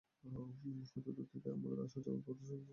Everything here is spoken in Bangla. হয়তো দূর থেকে আমাদের আসা-যাওয়ার পথে তারা শুষ্ক চোখে তাকিয়ে থাকে।